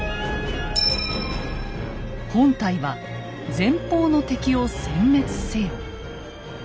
「本隊は前方の敵をせん滅せよ」。